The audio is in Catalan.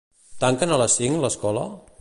Tanquen a les cinc l'escola?